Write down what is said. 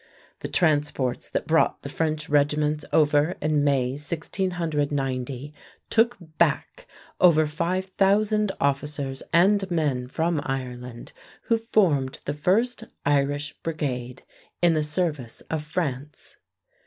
The transports that brought the French regiments over in May, 1690, took back over five thousand officers and men from Ireland, who formed the first Irish Brigade in the service of France.